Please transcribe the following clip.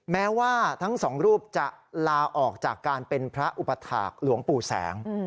แม้ว่าทั้งสองรูปจะลาออกจากการเป็นพระอุปถาคหลวงปู่แสง